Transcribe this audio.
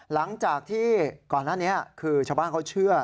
หลังจากที่ก่อนหน้านี้คือชาวบ้านเขาเชื่อ